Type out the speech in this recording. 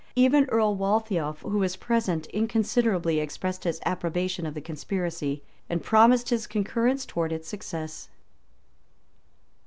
Even Earl Waltheof, who was present, inconsiderately expressed his approbation of the conspiracy, and promised his concurrence towards its success.